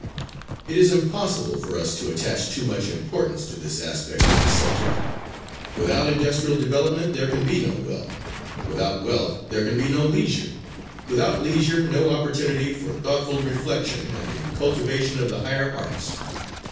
It is impossible for us to attach too much importance to this aspect of the subject. Without industrial development there can be no wealth; without wealth there can be no leisure; without leisure no opportunity for thoughtful reflection and the cultivation of the higher arts."